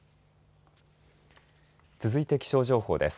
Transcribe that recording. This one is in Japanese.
続いて気象情報です。